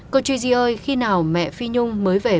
cô gigi ơi khi nào mẹ phi nhung